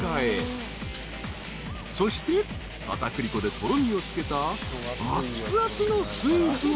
［そして片栗粉でとろみをつけたあっつあつのスープを］